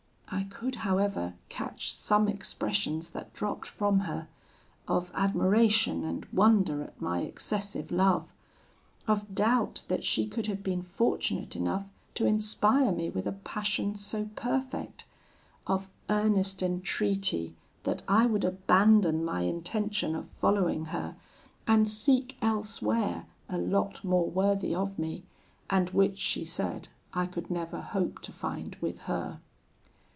I could, however, catch some expressions that dropped from her, of admiration and wonder at my excessive love of doubt that she could have been fortunate enough to inspire me with a passion so perfect of earnest entreaty that I would abandon my intention of following her, and seek elsewhere a lot more worthy of me, and which, she said, I could never hope to find with her.